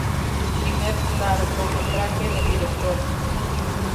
Primer largometraje del director.